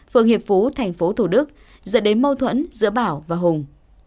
phường hiệp phú thành phố thủ đức dẫn đến mâu thuẫn giữa bảo và hùng